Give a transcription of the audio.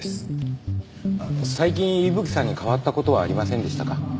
最近伊吹さんに変わった事はありませんでしたか？